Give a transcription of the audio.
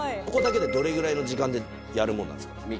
ここだけでどれぐらいの時間でやるもんなんですか？